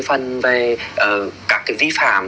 phần về các vi phạm